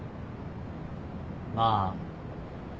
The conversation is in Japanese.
まあ。